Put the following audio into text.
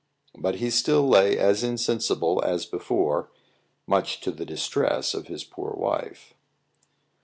But he still lay as insensible as before, much to the distress of his poor wife.